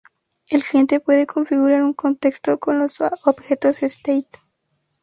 El cliente puede configurar un contexto con los objetos State.